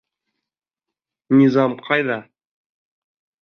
Низам ҡайҙа?